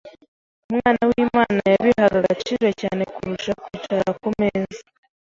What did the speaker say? Umwana w’Imana yabihaga agaciro cyane kurusha kwicara ku meza